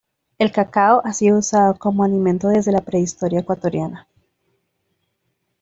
El cacao ha sido usado como alimento desde la prehistoria ecuatoriana.